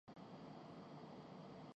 تم نے آج بہت اچھا کام کیا